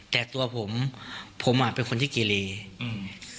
แต่ตัวผมผมเป็นคนที่เกลียน